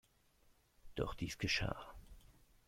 Doch dies geschah.